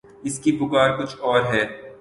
اس کی پکار کچھ اور ہے۔